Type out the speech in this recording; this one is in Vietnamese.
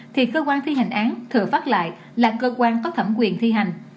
thì cơ quan thi hành án thử phát lại là cơ quan có thẩm quyền thi hành